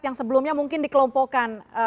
yang sebelumnya mungkin dikelompokkan